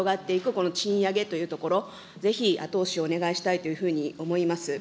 この賃上げというところ、ぜひ、後押しをお願いしたいというふうに思います。